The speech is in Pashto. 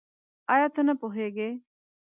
آيا ته نه پوهېږې؟